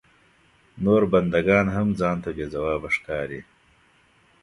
نور بنده ګان هم ځان ته بې ځوابه ښکاري.